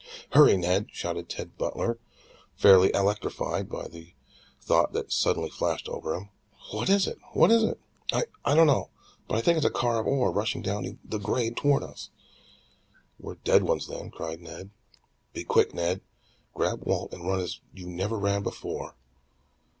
"Hurry, Ned!" shouted Tad Butler fairly electrified by the thought that suddenly flashed over him. "What is it? What is it?" "I I don't know, but I think it's a car of ore rushing down the grade toward us." "We're dead ones, then!" cried Ned. "Be quick, Ned! Grab Walt and run as you never ran before!